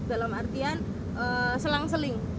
dalam artian selang seling